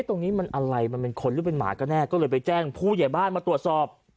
ตรงนี้มันอะไรมันเป็นคนหรือเป็นหมาก็แน่ก็เลยไปแจ้งผู้ใหญ่บ้านมาตรวจสอบ